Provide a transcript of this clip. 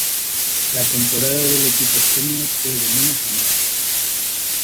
La temporada del equipo senior fue de menos a más.